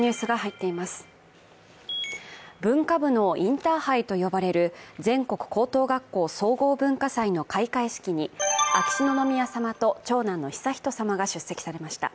文化部のインターハイと呼ばれる全国高校学校総合文化祭の開会式に秋篠宮さまと長男の悠仁さまが出席されました。